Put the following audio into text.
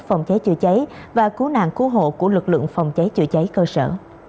phòng cháy chữa cháy và cú nạn cú hộ của lực lượng phòng cháy chữa cháy cơ sở